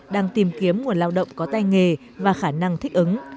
đang tìm kiếm nguồn lao động có tay nghề và khả năng thích ứng